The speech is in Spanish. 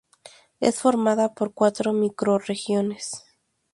Es formada por cuatro microrregiones.